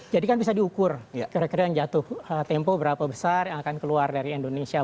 kan bisa diukur kira kira yang jatuh tempo berapa besar yang akan keluar dari indonesia